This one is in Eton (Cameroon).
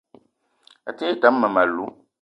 A te ngne tam mmem- alou